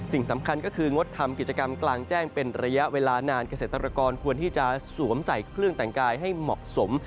สิ่งสำคัญก็คืองดทำกิจกรรมกลางแจ้งเป็นระยะเวลานานเกษตรกรควรที่จะสวมใส่เครื่องแต่งกายให้เหมาะสม